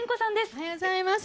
おはようございます。